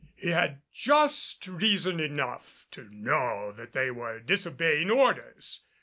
He had just reason enough to know that they were disobeying orders.